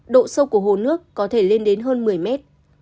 độ sâu của hồ nước có thể lên đến hơn một mươi mét